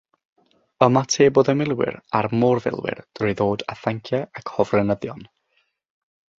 Ymatebodd y Milwyr â'r mor-filwyr drwy ddod a thanciau ac hofrenyddion.